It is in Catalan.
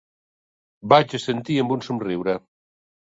Vaig assentir amb un somriure.